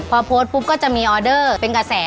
พอโพสต์ปุ๊บก็จะมีออเดอร์เป็นกระแส